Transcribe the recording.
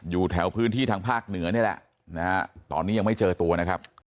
อยู่แถวพื้นที่ทางภาคเหนือนี่แหละนะฮะตอนนี้ยังไม่เจอตัวนะครับ